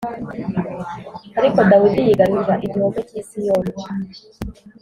Ariko Dawidi yigarurira igihome cy i Siyoni